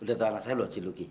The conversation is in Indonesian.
udah tau anak saya loh si luki